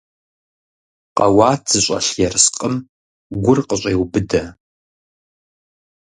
Къэуат зыщӀэлъ ерыскъым гур къыщӀеубыдэ.